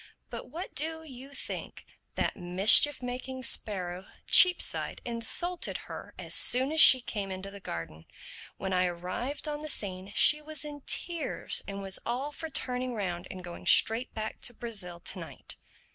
But what do you think? That mischief making sparrow, Cheapside, insulted her as soon as she came into the garden. When I arrived on the scene she was in tears and was all for turning round and going straight back to Brazil to night.